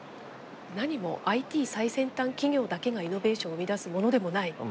なにもＩＴ最先端企業だけがイノベーションを生み出すものでもない。